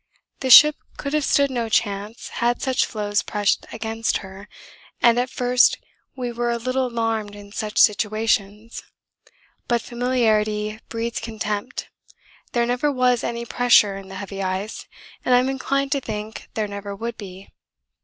The ship could have stood no chance had such floes pressed against her, and at first we were a little alarmed in such situations. But familiarity breeds contempt; there never was any pressure in the heavy ice, and I'm inclined to think there never would be.